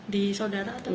di saudara atau